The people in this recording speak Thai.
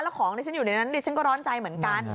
แล้วของที่ฉันอยู่ในนั้นดิฉันก็ร้อนใจเหมือนกัน